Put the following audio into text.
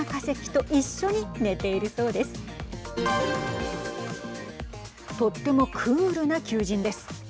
とってもクールな求人です。